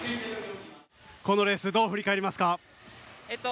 このレースどう振り返りますか？